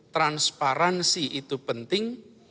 transparansi itu penting